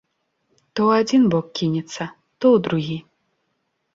То ў адзін бок кінецца, то ў другі.